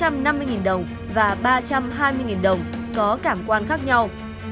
mà bảy trăm linh đồng bốn trăm năm mươi đồng và ba trăm hai mươi đồng có cảm quan khác nhau